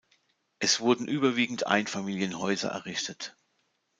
Es wurden überwiegend Einfamilienhäuser errichtet.